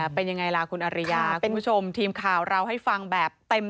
เป็นยังไงล่ะคุณอริยาคุณผู้ชมทีมข่าวเราให้ฟังแบบเต็ม